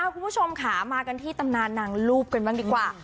คุณผู้ชมค่ะมากันที่ตำนานนางรูปกันบ้างดีกว่า